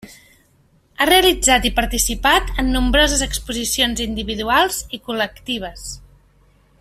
Ha realitzat i participat en nombroses exposicions individuals i col·lectives.